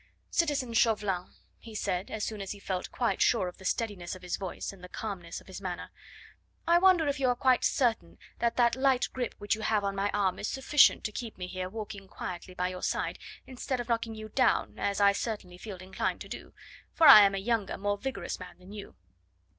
"Citizen Chauvelin," he said, as soon as he felt quite sure of the steadiness of his voice and the calmness of his manner, "I wonder if you are quite certain that that light grip which you have on my arm is sufficient to keep me here walking quietly by your side instead of knocking you down, as I certainly feel inclined to do, for I am a younger, more vigorous man than you."